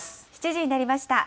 ７時になりました。